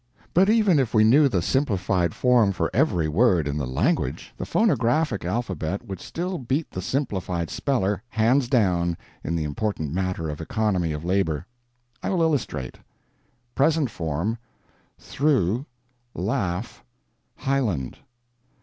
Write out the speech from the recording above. But even if we knew the simplified form for every word in the language, the phonographic alphabet would still beat the Simplified Speller "hands down" in the important matter of economy of labor. I will illustrate: PRESENT FORM: through, laugh, highland.